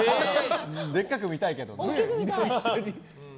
でっかく見たいけどね。